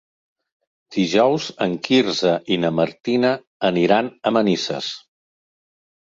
Dijous en Quirze i na Martina aniran a Manises.